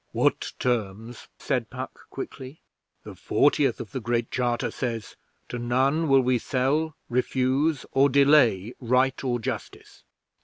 'What terms?' said Puck quickly. 'The Fortieth of the Great Charter says: "To none will we sell, refuse, or delay right or justice."'